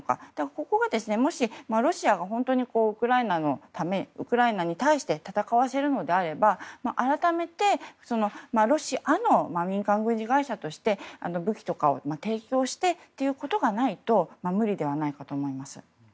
ここがロシアが本当にウクライナに対して戦わせるのであれば改めてロシアの民間軍事会社として武器とかを提供してということがないと無理ではないかと思います。